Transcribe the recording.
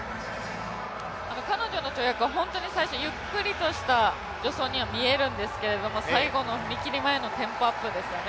彼女の跳躍は最初、ゆっくりとした助走に見えるんですけど、最後の踏み切り前のテンポアップですよね